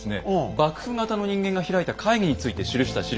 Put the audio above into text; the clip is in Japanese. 幕府方の人間が開いた会議について記した史料なんですけれども。